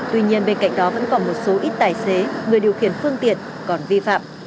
tuy nhiên bên cạnh đó vẫn còn một số ít tài xế người điều khiển phương tiện còn vi phạm